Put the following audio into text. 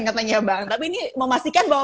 katanya bang tapi ini memastikan bahwa